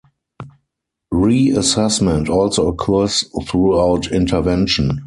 Reassessment also occurs throughout intervention.